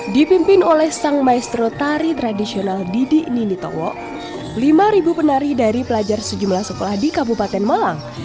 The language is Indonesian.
dipimpin oleh sang maestro tari tradisional didi ninitowo lima penari dari pelajar sejumlah sekolah di kabupaten malang